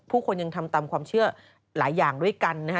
ผู้คนยังทำตามความเชื่อหลายอย่างด้วยกันนะฮะ